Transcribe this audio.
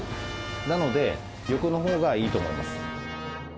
なので横の方がいいと思います。